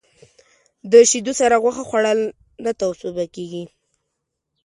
د شیدو سره غوښه خوړل نه توصیه کېږي.